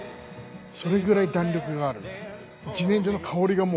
それくらい弾力がある。